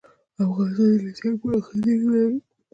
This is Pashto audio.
افغانستان د لیتیم پراخې زیرمې لري.